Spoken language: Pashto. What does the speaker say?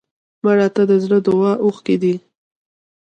مړه ته د زړه دعا اوښکې دي